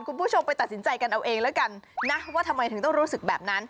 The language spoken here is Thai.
คุณผู้ชมไปตัดสินใจกันเอาเองแล้วกันนะว่าทำไมถึงต้องรู้สึกแบบนั้น